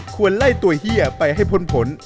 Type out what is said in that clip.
ควรไล่ตัวเฮียไปให้พ้นผล